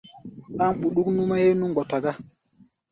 Ɗáŋ ɓuɗuk nú-mɛ́ héé nú mgbɔta gá.